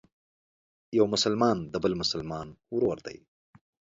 یو مسلمان د بل مسلمان ورور دی.